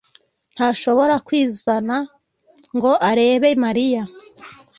ntashobora kwizana ngo arebe Mariya